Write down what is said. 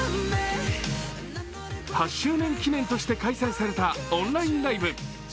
８周年記念として開催されたオンラインライブ。